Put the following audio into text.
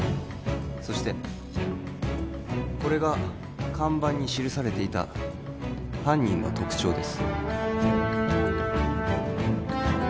そしてこれが看板に記されていた犯人の特徴です